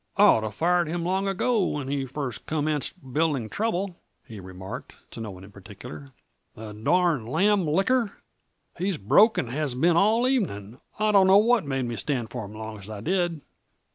"I'd oughta fired him long ago, when he first commenced building trouble," he remarked, to no one in particular. "The darned lamb licker he's broke and has been all evening. I don't know what made me stand for 'im long as I did."